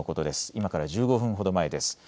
今から１５分ほど前です。